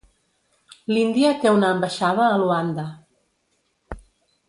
L'Índia té una ambaixada a Luanda.